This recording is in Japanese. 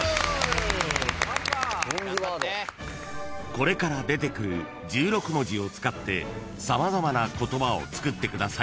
［これから出てくる１６文字を使って様々な言葉を作ってください］